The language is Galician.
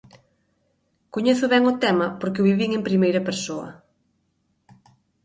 Coñezo ben o tema porque o vivín en primeira persoa.